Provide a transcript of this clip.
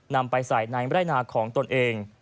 นำไปใส่ในไร่นาของตนเอง